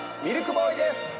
ミルクボーイです。